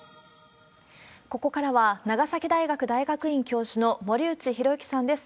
ここからは、長崎大学大学院教授の森内浩幸さんです。